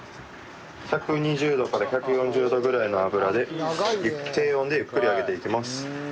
１２０度から１４０度ぐらいの油で低温でゆっくり揚げていきます。